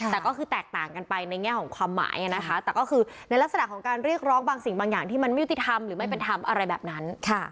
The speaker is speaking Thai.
แต่ก็คือแตกต่างกันไปในแง่ของความหมายนะคะแต่ก็คือในลักษณะของการเรียกร้องบางสิ่งบางอย่างที่มันไม่ยุติธรรมหรือไม่เป็นธรรมอะไรแบบนั้น